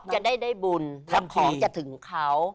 อ๊อฟจะได้ได้บุญทำของจะถึงเขา